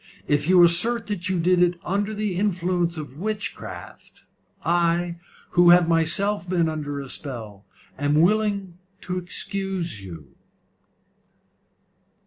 If you assert that you did it under the influence of witchcraft, I, who have myself been under a spell, am willing to excuse you."